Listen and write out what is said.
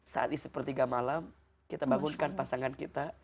saatnya sepertiga malam kita bangunkan pasangan kita